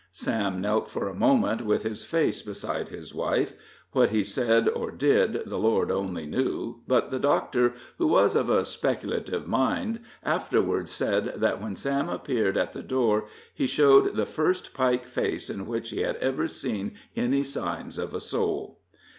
Sam knelt for a moment with his face beside his wife what he said or did the Lord only knew, but the doctor, who was of a speculative mind, afterward said that when Sam appeared at the door he showed the first Pike face in which he had ever seen any signs of a soul.